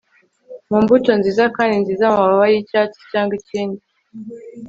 mu mbuto nziza kandi nziza, amababa y'icyatsi, cyangwa ikindi